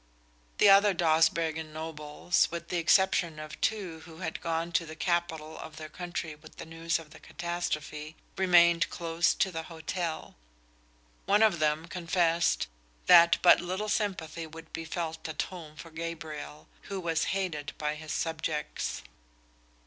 The other Dawsbergen nobles, with the exception of two who had gone to the capital of their country with the news of the catastrophe, remained close to the hotel. One of them confessed that but little sympathy would be felt at home for Gabriel, who was hated by his subjects.